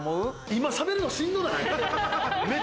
今しゃべるの、しんどない？